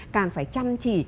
càng phải chăm chỉ